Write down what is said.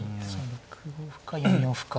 ６五歩か４四歩か。